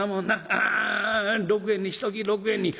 ああ６円にしとき６円に。